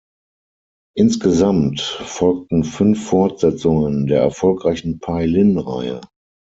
Insgesamt folgten fünf Fortsetzungen der erfolgreichen Paylin-Reihe.